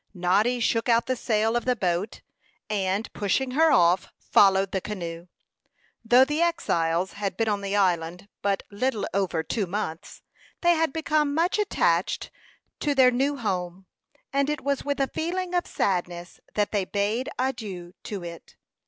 Noddy shook out the sail of the boat, and pushing her off, followed the canoe. Though the exiles had been on the island but little over two months, they had become much attached to their new home, and it was with a feeling of sadness that they bade adieu to it.